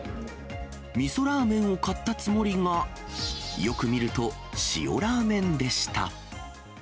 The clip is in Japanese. みそラーメンを買ったつもりが、よく見ると、塩ラーメンでした。